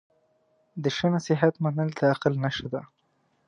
د ښه نصیحت منل د عقل نښه ده.